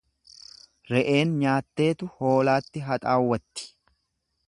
Re'een nyaatteetu hoolaatti haxaawwatti.